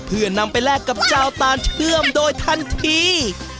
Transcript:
เพื่อนำไปแลกกับเจ้าตานเชื่อมโดยทันที